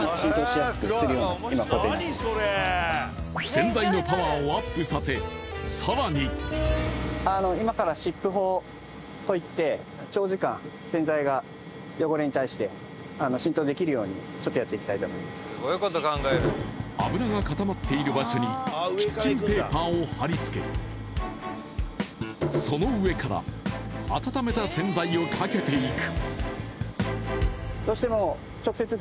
洗剤のパワーをアップさせ更に油が固まっている場所にキッチンペーパーを貼り付けその上から温めた洗剤をかけていく。